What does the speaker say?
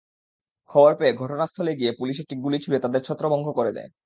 খবর পেয়ে ঘটনাস্থলে গিয়ে পুলিশ একটি গুলি ছুড়ে তাঁদের ছত্রভঙ্গ করে দেয়।